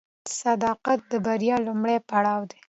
صداقت د بریا لومړی پړاو دی.